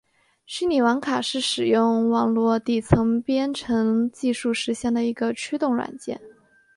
虚拟网卡是使用网络底层编程技术实现的一个驱动软件。